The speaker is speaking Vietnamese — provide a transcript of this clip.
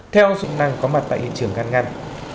theo dụng năng có mặt tại hiện trường ngăn ngăn